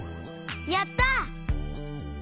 やった！